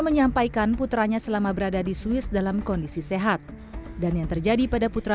menyampaikan putranya selama berada di swiss dalam kondisi sehat dan yang terjadi pada putra